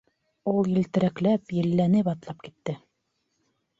— Ул, елтерәкләп, елләнеп атлап китте.